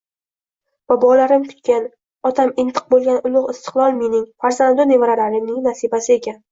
Bobolarim kutgan, otam intiq boʻlgan ulugʻ istiqlol mening, farzandu nevaralarimning nasibasi ekan.